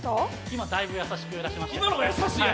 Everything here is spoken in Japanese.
今だいぶ易しく出しました。